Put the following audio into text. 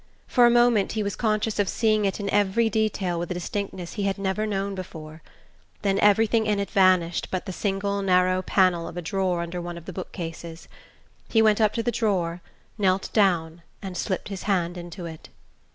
For a moment he was conscious of seeing it in every detail with a distinctness he had never before known; then everything in it vanished but the single narrow panel of a drawer under one of the bookcases. He went up to the drawer, knelt down and slipped his hand into it.